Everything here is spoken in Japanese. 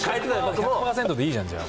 １００％でいいじゃん、じゃあ。